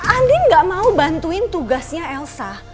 andin gak mau bantuin tugasnya elsa